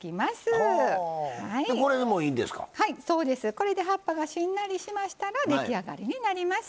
これで葉っぱがしんなりしましたら出来上がりになります。